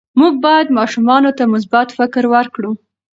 موږ باید ماشومانو ته مثبت فکر ورکړو.